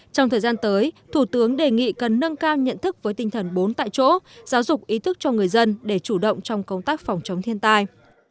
trong thời gian tới thủ tướng đề nghị cần nâng cao nhận thức với tinh thần bốn tại chỗ giáo dục ý thức cho người dân để chủ động trong công tác phòng chống thiên tai